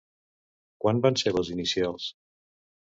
Quan van ser les inicials?